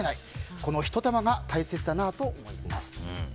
このひと手間が大切だなと思います。